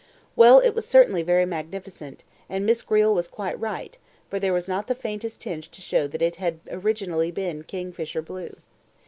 ... Well, it was certainly very magnificent, and Miss Greele was quite right, for there was not the faintest tinge to show that it had originally been kingfisher blue.